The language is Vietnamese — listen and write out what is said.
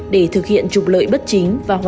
để thực hiện trục lợi bất chính